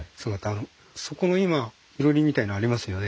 そこの今いろりみたいのありますよね。